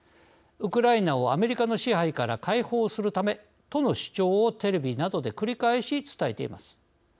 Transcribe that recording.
ウクライナをアメリカの支配から解放するためとの主張をテレビなどで繰り返し伝えています。